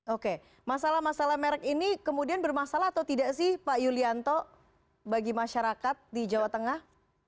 oke masalah masalah merek ini kemudian bermasalah atau tidak sih pak yulianto bagi masyarakat di jawa tengah